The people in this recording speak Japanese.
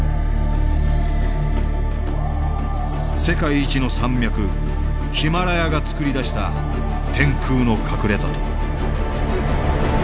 世界一の山脈ヒマラヤがつくり出した天空の隠れ里。